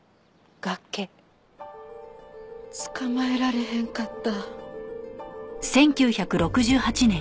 つかまえられへんかった。